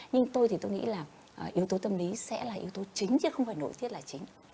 nhưng tôi thì tôi nghĩ là yếu tố tâm lý sẽ là yếu tố chính chứ không phải nội tiết là chính